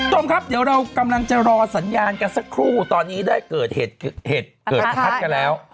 โจมครับเดี๋ยวเรากำลังจะรอสัญญาณกันสักครู่ตอนนี้ได้เกิดเหตุทัศน์กันแล้ว